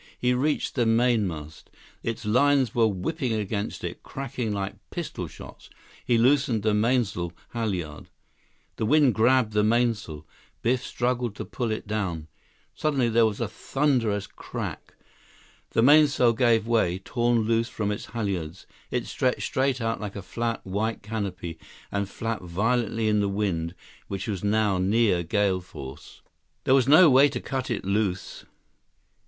He reached the mainmast. Its lines were whipping against it, cracking like pistol shots. He loosened the mainsail halyard. The wind grabbed the mainsail. Biff struggled to pull it down. Suddenly there was a thunderous crack. The mainsail gave way, torn loose from its halyards. It stretched straight out like a flat, white canopy and flapped violently in the wind, which was now near gale force. 114 There was no way to cut it loose.